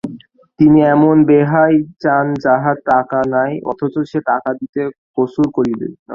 তিনি এমন বেহাই চান যাহার টাকা নাই অথচ যে টাকা দিতে কসুর করিবে না।